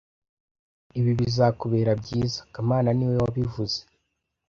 Ibi bizakubera byiza kamana niwe wabivuze